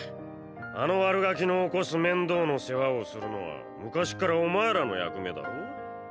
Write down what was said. あの悪ガキの起こす面倒の世話をするのは昔っからお前らの役目だろ？